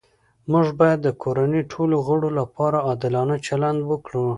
موږ باید د کورنۍ ټولو غړو لپاره عادلانه چلند وکړو